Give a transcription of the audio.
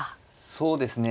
そうですね